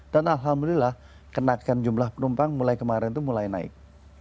dan alhamdulillah kenakan jumlah penumpang mulai kemarin itu mulai naik